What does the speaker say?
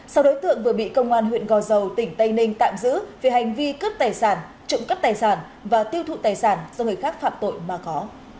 sau đối tượng vừa bị công an huyện gò dầu tỉnh tây ninh tạm giữ vì hành vi cướp tài sản trộm cắp tài sản và tiêu thụ tài sản do người khác phạm tội mà có